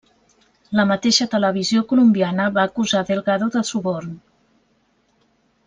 La mateixa televisió colombiana va acusar Delgado de suborn.